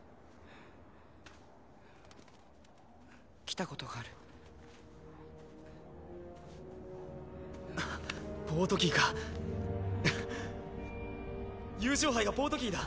来たことがあるポートキーか優勝杯がポートキーだ